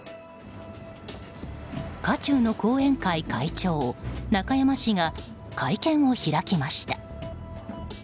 渦中の後援会会長、中山氏が会見を開きました。